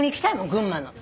群馬の。